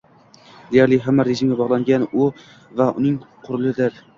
Deyarli hamma, rejimga bog‘langan va uning qulidir